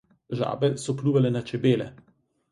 Žabe se pljuvale na čebele.